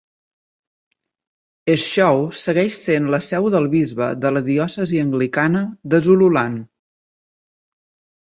Eshowe segueix sent la seu del bisbe de la Diòcesi Anglicana de Zululand.